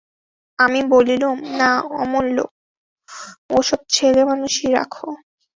আমি বললুম, না অমূল্য, ও-সব ছেলেমানুষি রাখো।